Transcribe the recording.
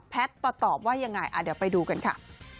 แพทย์ตอบว่ายังไงอ่ะเดี๋ยวไปดูกันค่ะ